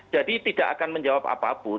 jadi tidak akan menjawab apapun